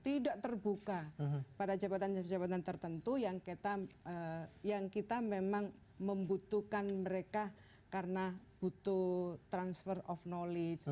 tidak terbuka pada jabatan jabatan tertentu yang kita memang membutuhkan mereka karena butuh transfer of knowledge